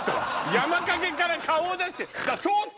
山かげから顔を出して。